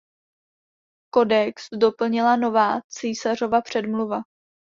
Kodex doplnila nová císařova předmluva.